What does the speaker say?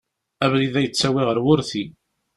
Abrid-a yettawi ɣer wurti.